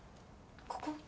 ここ。